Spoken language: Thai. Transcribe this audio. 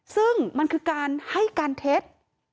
ซึ่งมันคือการให้การเท็จ